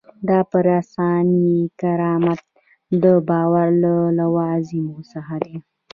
دا پر انساني کرامت د باور له لوازمو څخه دی.